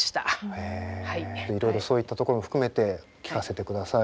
へえいろいろそういったところも含めて聞かせてください。